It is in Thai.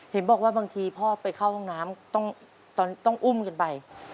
เห็นบอกว่าบางทีพ่อไปเข้าห้องน้ำต้องอุ้มกันไป